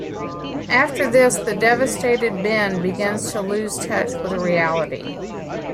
After this, the devastated Ben begins to lose touch with reality.